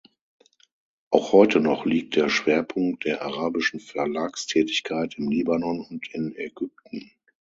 Auch heute noch liegt der Schwerpunkt der arabischen Verlagstätigkeit im Libanon und in Ägypten.